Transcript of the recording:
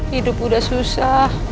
hidup udah susah